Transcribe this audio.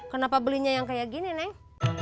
kenapa belinya yang kayak gini neng